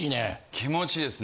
気持ちいいですね。